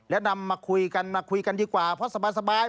และนำมาคุยกันมาคุยกันดีกว่าเพราะสบาย